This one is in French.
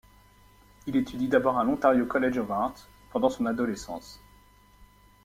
Il étudie d'abord à l'Ontario College of Art pendant son adolescence.